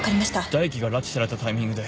大樹が拉致されたタイミングで。